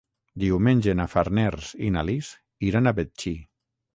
Diumenge na Farners i na Lis iran a Betxí.